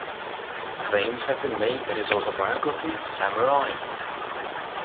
Claims have been made that his autobiography Samurai!